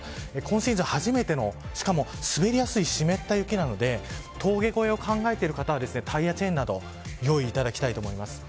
今シーズン初めてのしかも滑りやすい湿った雪なので峠越えを考えてる方はタイヤチェーンなど用意いただきたいと思います。